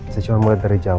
saya cuma melihat dari jauh